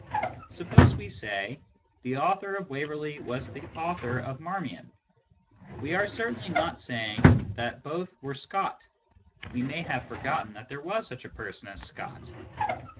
Suppose we say " the author of Waverley was the author of Marmion," we are certainly not saying that both were Scott we may have forgotten that there was such a person as Scott.